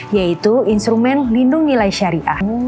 yaitu instrumen lindung nilai syariah